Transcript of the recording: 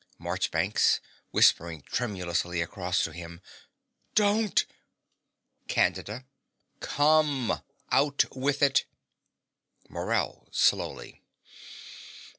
MARCHBANKS (whispering tremulously across to him). Don't. CANDIDA. Come. Out with it! MORELL (slowly).